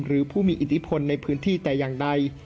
หรือผู้มีอิทธิพลในพื้นที่แต่อย่างใด